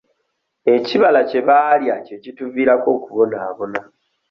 Ekibala kye baalya kye kituviirako okubonaabona.